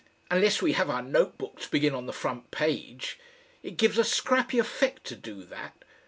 Unless we have our Note Book to begin on the front page. It gives a scrappy effect to do that.